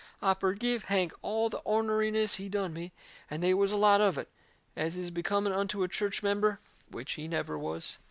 I forgive Hank all the orneriness he done me, and they was a lot of it, as is becoming unto a church member, which he never was."